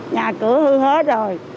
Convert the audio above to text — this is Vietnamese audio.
nhà cửa hư hết rồi